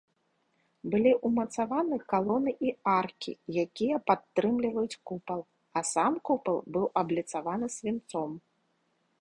Былі ўмацаваны калоны і аркі, якія падтрымліваюць купал, а сам купал быў абліцаваны свінцом.